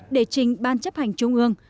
để trình ban chấp hành trung ương